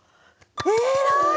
偉い！